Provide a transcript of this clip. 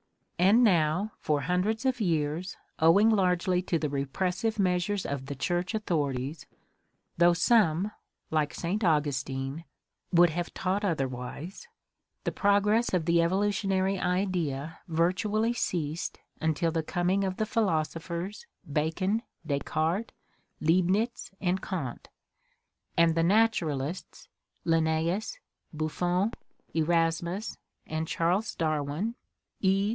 — And now, for hundreds of years, owing largely to the repressive measures of the church authorities, though some, like Saint Augustine, would have taught otherwise, the progress of the evolutionary idea virtually ceased until the coming of the philosophers Bacon, Descartes, Leibnitz, and Kant, and the natu ralists Linnaeus, Buffon, Erasmus and Charles Darwin, £.